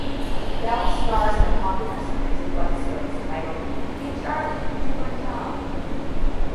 Bell stars in a popular series of webisodes titled Hey Charlie, Do My Job!